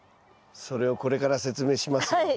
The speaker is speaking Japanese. それをこれから説明しますよ。